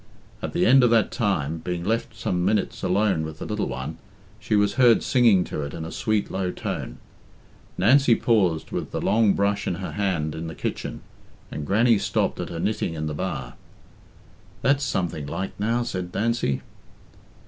At the end of that time, being left some minutes alone with the little one, she was heard singing to it in a sweet, low tone. Nancy paused with the long brush in her hand in the kitchen, and Granny stopped at her knitting in the bar. "That's something like, now," said Nancy.